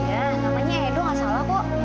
iya namanya edo nggak salah bu